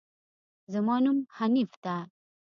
زما نوم حنيف ده